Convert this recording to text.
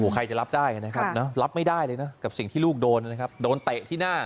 ใครจะรับได้นะครับรับไม่ได้เลยนะกับสิ่งที่ลูกโดนนะครับโดนเตะที่หน้า